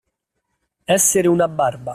Essere una barba.